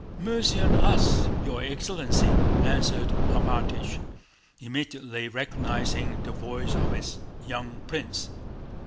"Mercy on us! Your excellency!" answered Alpátych, immediately recognizing the voice of his young prince.